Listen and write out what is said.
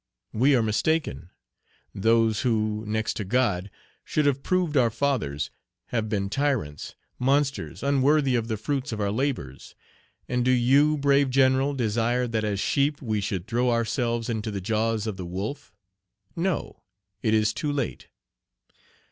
We are mistaken; those who, next to God, should have proved our fathers, have been tyrants, monsters unworthy of the fruits of our labors; and do you, brave general, desire that as sheep we should throw ourselves into the jaws of the wolf? No! it is too late.